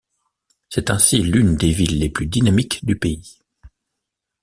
C'est ainsi l'une des villes les plus dynamiques du pays.